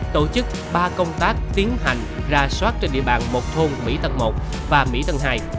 tổ chức ba công tác tiến hành ra soát trên địa bàn một thôn mỹ tân một và mỹ tân hai